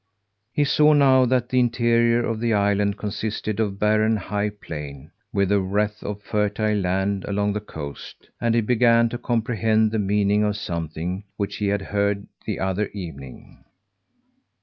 He saw now that the interior of the island consisted of a barren high plain, with a wreath of fertile land along the coast; and he began to comprehend the meaning of something which he had heard the other evening.